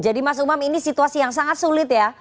jadi mas umam ini situasi yang sangat sulit ya